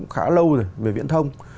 khá lâu rồi về viễn thông